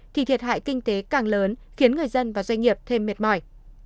thì thiệt hại kinh tế càng lớn khiến người dân và doanh nghiệp thêm mệt mỏi